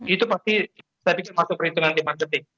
itu pasti saya pikir masuk perhitungan lima detik